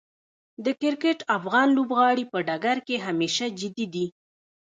د کرکټ افغان لوبغاړي په ډګر کې همیشه جدي دي.